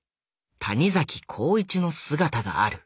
谷崎弘一の姿がある。